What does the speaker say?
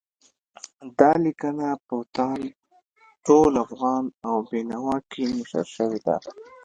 دا لیکنه په تاند، ټول افغان او بېنوا کې نشر شوې ده.